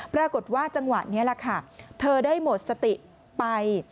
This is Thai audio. ปรากฏว่าจังหวะนี้แหละค่ะเธอได้หมดสติไป